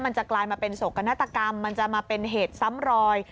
จะกลายมาเป็นโศกนาฏกรรมมันจะมาเป็นเหตุซ้ำรอย